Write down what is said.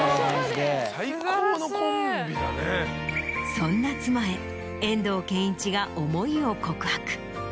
そんな妻へ遠藤憲一が思いを告白。